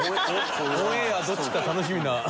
オンエアどっちか楽しみな。